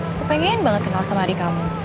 aku pengen banget kenal sama adik kamu